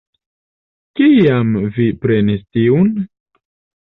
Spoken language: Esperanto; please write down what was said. Kiam vi prenis tiun?